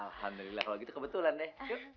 alhamdulillah kalau gitu kebetulan deh